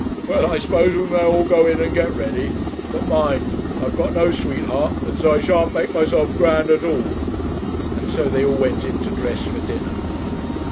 Well, I suppose we may all go in and get ready; but mind, I have got no sweetheart, and so I shan't make myself grand at all;' and so they all went in to dress for dinner.